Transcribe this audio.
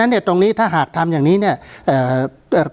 การแสดงความคิดเห็น